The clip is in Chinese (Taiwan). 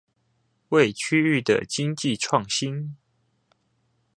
為區域的經濟創新